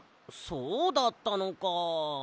そうだったのか。